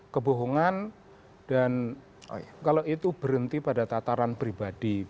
kebohongan dan kalau itu berhenti pada tataran pribadi